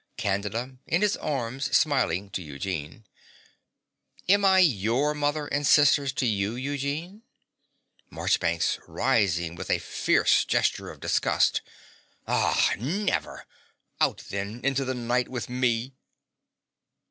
CANDIDA (in his arms, smiling, to Eugene). Am I YOUR mother and sisters to you, Eugene? MARCHBANKS (rising with a fierce gesture of disgust). Ah, never. Out, then, into the night with me!